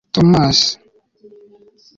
thomas a